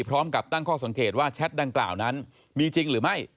พร้อมกับตั้งข้อสังเกตว่าแชทดังกล่าวนั้นมีจริงหรือไม่